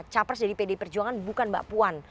capres dari pdi perjuangan bukan mbak puan